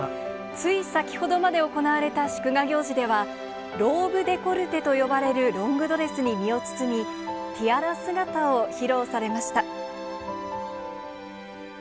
つい先ほどまで行われた祝賀行事では、ローブデコルテと呼ばれるロングドレスに身を包み、ティアラ姿を披露されました。